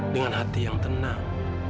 dengan hati yang tenang